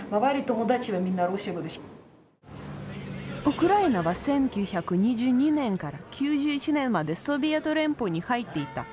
ウクライナは１９２２年から９１年までソビエト連邦に入っていた。